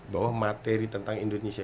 bahwa materi tentang indonesia